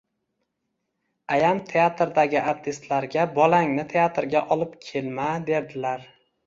Ayam teatridagi artistlarga bolangni teatrga olib kelma, derdilar.